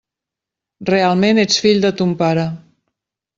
Realment ets fill de ton pare.